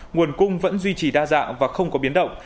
nguồn cung vẫn duy trì đa dạng và không có biến động